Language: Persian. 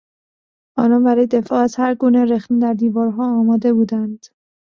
آنان برای دفاع از هر گونه رخنه در دیوارها آماده بودند.